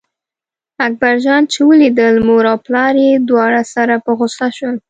اکبر جان چې ولیدل مور او پلار یې دواړه سره په غوسه شول.